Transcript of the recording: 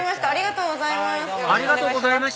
ありがとうございます。